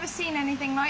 すごい。